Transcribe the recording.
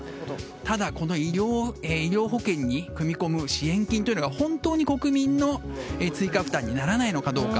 ただ、この医療保険に組み込む支援金というのが本当に国民の追加負担にならないのかどうか。